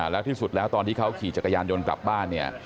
และท่ียสุดแล้วตอนที่เขาขี่จังหยานยนต์กลับบ้าน